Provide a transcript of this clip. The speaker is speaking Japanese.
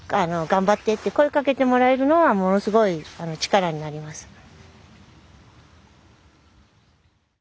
頑張ってって声かけてもらえるのはものすごい力になります。